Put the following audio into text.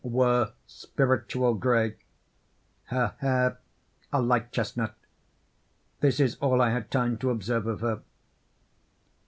were "spiritual grey;" her hair, a light chestnut: this is all I had time to observe of her.